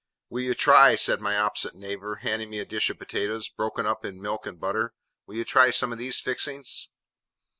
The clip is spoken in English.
'Will you try,' said my opposite neighbour, handing me a dish of potatoes, broken up in milk and butter, 'will you try some of these fixings?